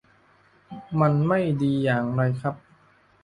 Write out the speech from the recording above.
มันไม่ดีอย่างไรครับ